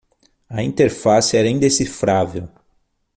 A interface era indecifrável.